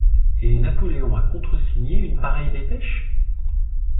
Et Napoléon a contresigné une pareille dépêche!